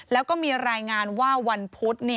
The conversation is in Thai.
แล้วก็มีรายงานว่าวันพุธ